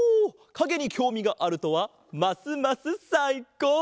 かげにきょうみがあるとはますますさいこう！